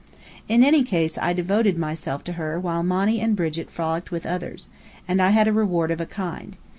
In any case I devoted myself to her while Monny and Brigit frolicked with others; and I had a reward of a kind.